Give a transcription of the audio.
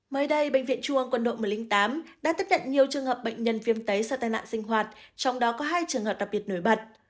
mới đây bệnh viện trung ương quân đội một trăm linh tám đã tiếp nhận nhiều trường hợp bệnh nhân viêm tấy do tai nạn sinh hoạt trong đó có hai trường hợp đặc biệt nổi bật